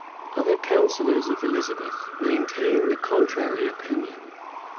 Other counsellors of Elizabeth maintained a contrary opinion.